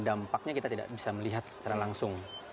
dampaknya kita tidak bisa melihat secara langsung